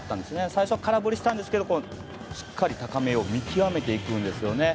最初、空振りしたんですけどしっかり高めを見極めていくんですよね。